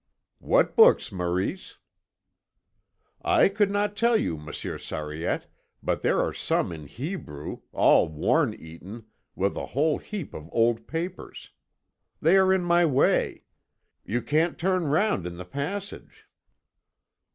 "What books, Maurice?" "I could not tell you, Monsieur Sariette, but there are some in Hebrew, all worm eaten, with a whole heap of old papers. They are in my way. You can't turn round in the passage."